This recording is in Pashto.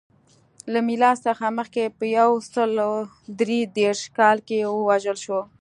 له میلاد څخه مخکې په یو سل درې دېرش کال کې ووژل شو.